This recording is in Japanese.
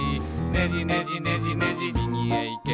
「ねじねじねじねじみぎへいけ」